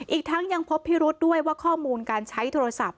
อีกทั้งยังพบพิรุษด้วยว่าข้อมูลการใช้โทรศัพท์